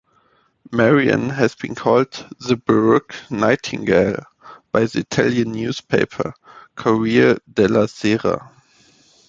Marian has been called "the Baroque nightingale" by the Italian newspaper "Corriere della Sera".